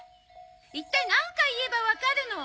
一体何回言えばわかるの？